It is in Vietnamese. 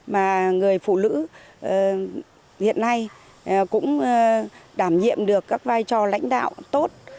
mà người phụ nữ hiện nay cũng đảm nhiệm được các vai trò lãnh đạo tốt